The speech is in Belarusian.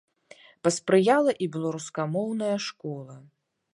Паспрыяла і беларускамоўная школа.